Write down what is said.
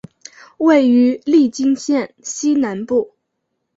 位于利津县西南部。